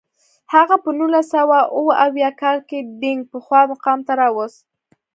هغه په نولس سوه اووه اویا کال کې دینګ پخوا مقام ته راوست.